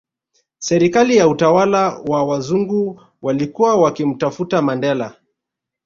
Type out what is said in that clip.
Serikali ya utawala wa wazungu walikuwa wakimtafuta Mandela